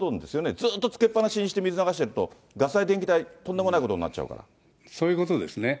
ずっとつけっぱなしにして水流してると、ガス代、電気代、とんでそういうことですね。